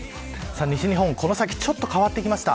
西日本この先ちょっと変わってきました。